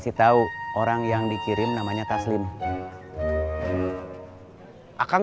itu nomor keluarga miljro granat tak mun